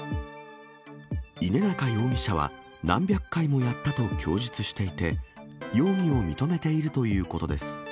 稲中容疑者は何百回もやったと供述していて、容疑を認めているということです。